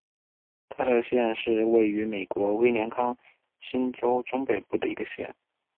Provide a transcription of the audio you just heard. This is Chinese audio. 泰勒县是位于美国威斯康辛州中北部的一个县。